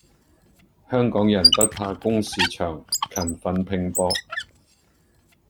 香港人不怕工時長，勤奮拼搏